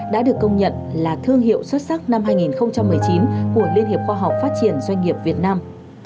đã được công nhận là thương hiệu xuất sắc năm hai nghìn một mươi chín của liên hiệp khoa học phát triển doanh nghiệp việt nam